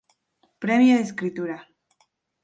Premio de escritura.